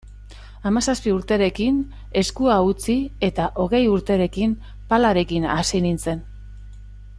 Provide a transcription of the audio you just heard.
Hamazazpi urterekin eskua utzi eta hogei urterekin palarekin hasi nintzen.